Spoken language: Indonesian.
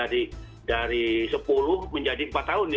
dari sepuluh menjadi empat tahun